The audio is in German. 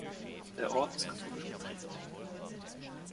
Der Ort ist katholisch geprägt.